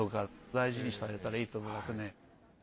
大事にされたらいいと思いますね。